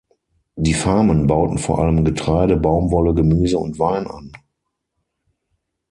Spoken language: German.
Die Farmen bauten vor allem Getreide, Baumwolle, Gemüse und Wein an.